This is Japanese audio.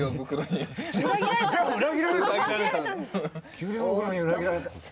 給料袋に裏切られた。